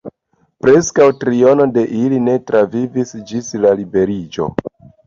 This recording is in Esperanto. Preskaŭ triono de ili ne travivis ĝis la liberiĝo.